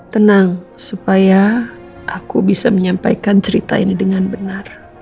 tenang supaya aku bisa menyampaikan cerita ini dengan benar